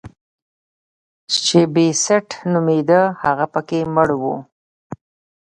چې بېسټ نومېده هغه پکې مړ و.